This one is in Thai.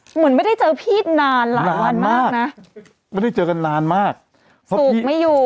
เหมือนไม่ได้เจอพี่นานหลายวันมากนะไม่ได้เจอกันนานมากถูกไม่อยู่